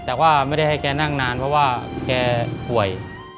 แต่ว่าไม่ได้ให้แกนั่งนานเพราะว่าแกป่วย